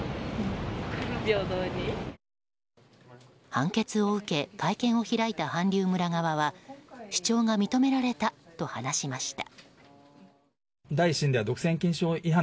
判決を受け、会見を開いた韓流村側は主張が認められたと話しました。